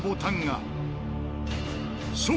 そう！